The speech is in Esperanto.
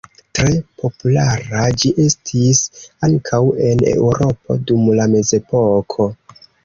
Tre populara ĝi estis ankaŭ en Eŭropo dum la mezepoko.